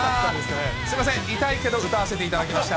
すみません、痛いけど歌わせていただきました。